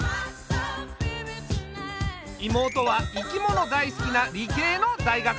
妹は生き物大好きな理系の大学生。